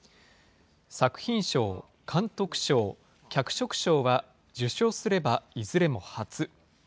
作品賞、監督賞、脚色賞は受賞すればいずれも初。